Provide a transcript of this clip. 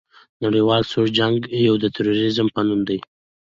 د نړیوال سوړ جنګ او یا د تروریزم په نوم